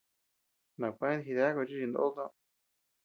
Nankued jidéaku chi chinod toó.